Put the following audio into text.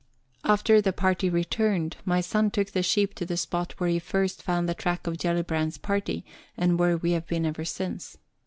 After the party returned, my son took the sheep to the spot where he first found the track of Gellibrand's party, and where we have been ever since.